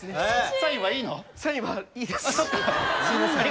サインはいいです。